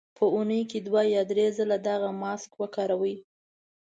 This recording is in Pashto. په اونۍ کې دوه یا درې ځله دغه ماسک وکاروئ.